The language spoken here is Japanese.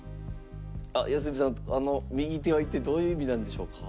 あの右手は一体どういう意味なんでしょうか？